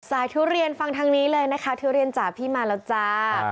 ทุเรียนฟังทางนี้เลยนะคะทุเรียนจ๋าพี่มาแล้วจ้า